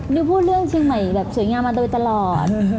นิวพูดเรื่องเชียงใหม่แบบใหญ่มามาโดยตลอด